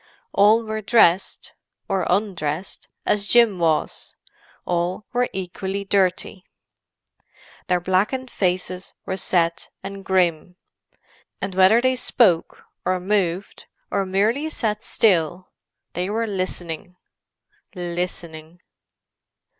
All were dressed—or undressed—as Jim was; all were equally dirty. Their blackened faces were set and grim. And whether they spoke, or moved, or merely sat still, they were listening—listening.